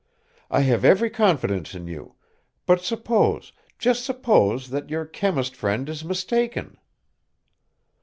I have every confidence in you, but suppose just suppose that your chemist friend is mistaken."